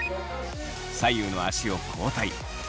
左右の足を交代。